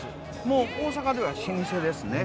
もう大阪では老舗ですね。